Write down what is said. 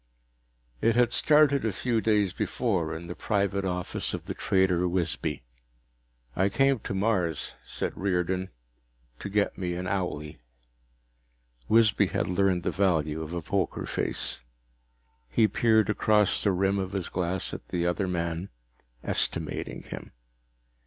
It had started a few days before, in the private office of the trader Wisby. "I came to Mars," said Riordan, "to get me an owlie." Wisby had learned the value of a poker face. He peered across the rim of his glass at the other man, estimating him.